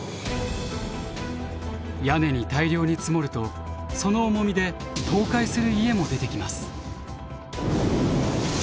屋根に大量に積もるとその重みで倒壊する家も出てきます。